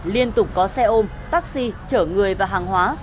liên tục có xe ôm taxi chở người và hàng hóa